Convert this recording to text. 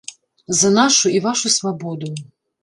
За нашу і вашу свабоду!